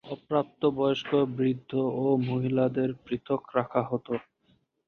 অপ্রাপ্তবয়স্ক, বৃদ্ধ ও মহিলাদের পৃথক রাখা হত।